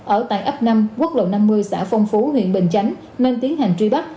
ở tại ấp năm quốc lộ năm mươi xã phong phú huyện bình chánh nên tiến hành truy bắt